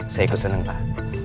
saya ikut seneng pak